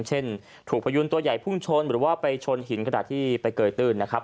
เช่นถูกพยูนตัวใหญ่พุ่งชนหรือว่าไปชนหินขนาดที่ไปเกยตื้นนะครับ